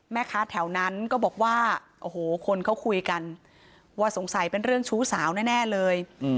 แม่ค้าแถวนั้นก็บอกว่าโอ้โหคนเขาคุยกันว่าสงสัยเป็นเรื่องชู้สาวแน่เลย